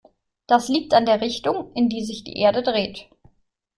Das liegt an der Richtung, in die sich die Erde dreht.